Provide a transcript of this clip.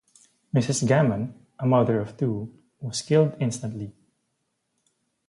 Mrs Gammon, a mother of two, was killed instantly.